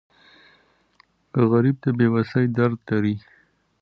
غریب د بې وسۍ درد لري